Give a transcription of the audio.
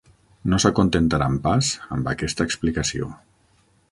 No s'acontentaran pas amb aquesta explicació.